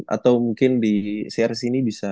atau mungkin di crc ini bisa